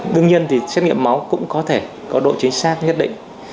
đương nhiên thì xét nghiệm máu cũng có thể có độ chính xác nhất định